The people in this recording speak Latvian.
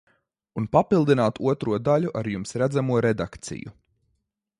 Un papildināt otro daļu ar jums redzamo redakciju.